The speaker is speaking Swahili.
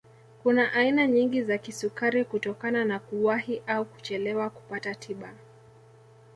Kuna aina nyingi za kisukari kutokana na kuwahi au kuchelewa kupata tiba